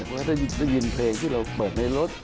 ก็ได้ยินเพลงที่เราเปิดในรถ